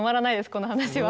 この話は。